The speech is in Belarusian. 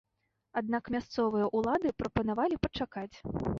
Аднак мясцовыя ўлады прапанавалі пачакаць.